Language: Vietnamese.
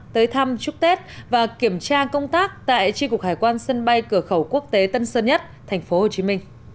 tới thăm chúc tết và kiểm tra công tác tại tri cục hải quan sân bay cửa khẩu quốc tế tân sơn nhất tp hcm